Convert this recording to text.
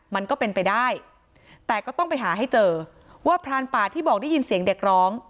มันก็เป็นไปได้แต่ก็ต้องไปหาให้เจอว่าพรานป่าที่บอกได้ยินเสียงเด็กร้อง